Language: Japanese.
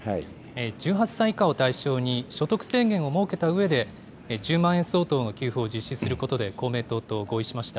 １８歳以下を対象に、所得制限を設けたうえで、１０万円相当の給付を実施することで公明党と合意しました。